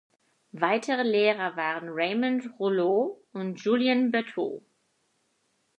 Weitere Lehrer waren Raymond Rouleau und Julien Bertheau.